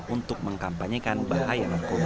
untuk mengkampanyekan bahaya narkoba